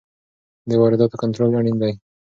د وارداتو کنټرول اړین دی.